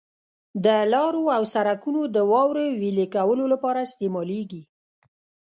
د لارو او سرکونو د واورې ویلي کولو لپاره استعمالیږي.